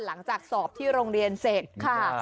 หลังจากสอบที่โรงเรียนเสร็จค่ะ